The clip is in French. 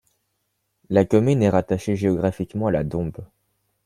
La commune est rattachée géographiquement à la Dombes.